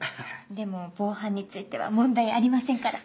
でも防犯については問題ありませんから。